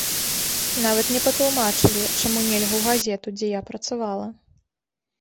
Нават не патлумачылі, чаму нельга ў газету, дзе я працавала.